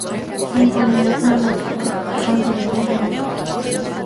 Այն պարունակում է մեծ քարանձավային համակարգ։